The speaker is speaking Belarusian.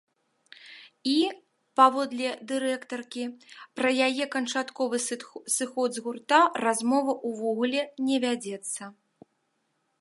І, паводле дырэктаркі, пра яе канчатковы сыход з гурта размова ўвогуле не вядзецца.